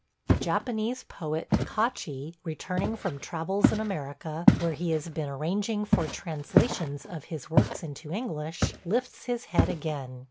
The Japanese poet Kachi, returning from travels in America, where he has been arranging for translations of his works into English, lifts his head again.